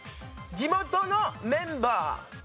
地元のメンバー。